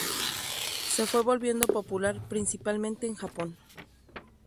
Se fue volviendo popular, principalmente en Japón.